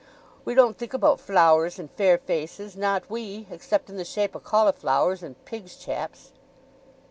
We don't think about flowers and fair faces, not we—except in the shape o' cauliflowers and pigs' chaps."